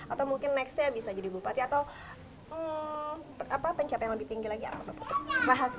atau mungkin nextnya bisa jadi bupati atau apa pencap yang lebih tinggi lagi arah mbak putri